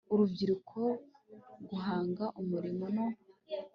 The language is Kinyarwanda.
urubyiruko guhanga umurimo no